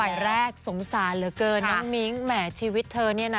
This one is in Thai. แรกสงสารเหลือเกินน้องมิ้งแหมชีวิตเธอเนี่ยนะ